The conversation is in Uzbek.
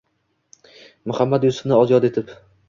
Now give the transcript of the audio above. Muhammad Yusufni yod etib